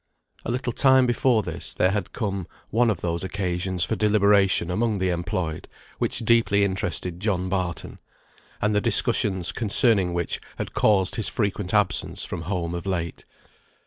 A little time before this, there had come one of those occasions for deliberation among the employed, which deeply interested John Barton; and the discussions concerning which had caused his frequent absence from home of late.